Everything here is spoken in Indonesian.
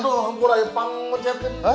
nih aku mau ngumpul aja panggung siapkan